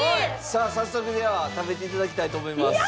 さあ早速では食べて頂きたいと思いますいや！